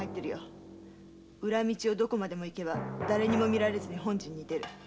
裏道をどこまでも行けばだれにも見られないで本陣に出る。